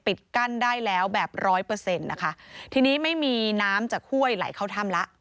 กั้นได้แล้วแบบร้อยเปอร์เซ็นต์นะคะทีนี้ไม่มีน้ำจากห้วยไหลเข้าถ้ำแล้ว